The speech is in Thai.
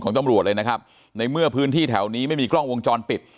ตำรวจเลยนะครับในเมื่อพื้นที่แถวนี้ไม่มีกล้องวงจรปิด